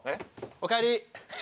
おかえり。